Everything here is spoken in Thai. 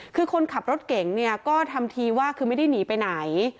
คือคนขับรถเก่งเนี่ยก็ทำทีว่าคือไม่ได้หนีไปไหน